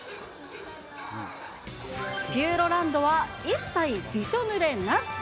ピューロランドは、一切びしょぬれなし。